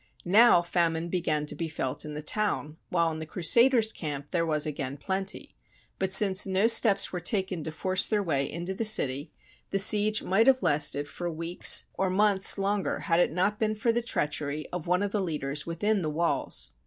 Now famine began to be felt in the town, while in the Crusaders' camp there was again plenty ; but since no steps were taken to force their way into the city, the siege might have lasted for weeks or THE BOOK OF FAMOUS SIEGES months longer had it not been for the treachery of one of the leaders within the walls.